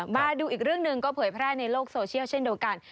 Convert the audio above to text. มาดูอีกเรื่องหนึ่งก็เผยแพร่ในโลกโซเชียลเช่นเดียวกัน